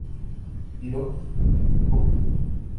Hiroki Okuda